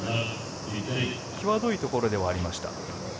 きわどいところではありました。